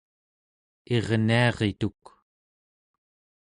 irniarituk